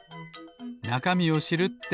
なかみを知るって。